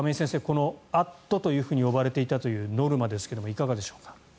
この「＠」と呼ばれていたというノルマですがいかがでしょうか。